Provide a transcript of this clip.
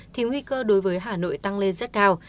thì nguy cơ đối với hà nội tăng lên rất cao